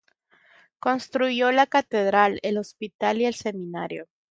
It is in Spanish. Construyó la Catedral, el Hospital y el Seminario.